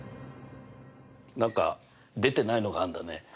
何か出てないのがあんだね。